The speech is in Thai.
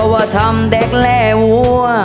ว่าทำเด็กและวัว